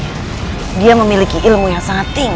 bagian tengah istana masih kosong